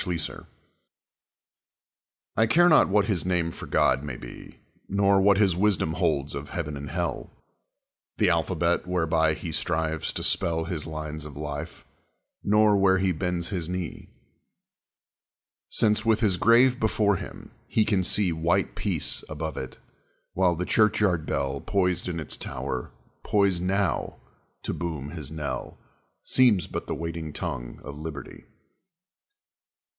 An Invalid I care not what his name for God may be, Nor what his wisdom holds of heaven and hell, The alphabet whereby he strives to spell His lines of life, nor where he bends his knee, Since, with his grave before him, he can see White Peace above it, while the churchyard bell Poised in its tower, poised now, to boom his knell, Seems but the waiting tongue of liberty.